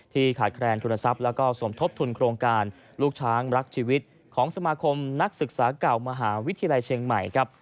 ขาดแคลนทุนทรัพย์แล้วก็สมทบทุนโครงการลูกช้างรักชีวิตของสมาคมนักศึกษาเก่ามหาวิทยาลัยเชียงใหม่ครับ